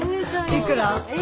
いくら？